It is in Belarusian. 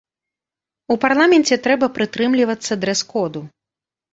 У парламенце трэба прытрымлівацца дрэс-коду.